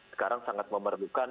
sekarang sangat memerlukan